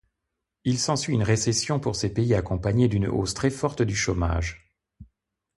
Il s’ensuit une récession pour ces pays accompagnée d'une hausse très forte du chômage.